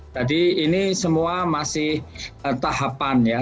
jadi ini semua masih tahapan ya